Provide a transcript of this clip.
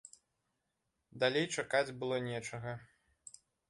Далей чакаць было нечага.